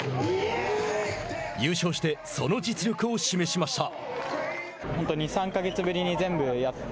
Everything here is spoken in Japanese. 優勝してその実力を示しました。